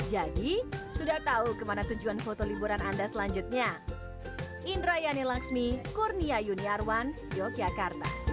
jadi sudah tahu kemana tujuan foto liburan anda selanjutnya